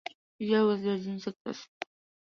Jay was raised in Texas.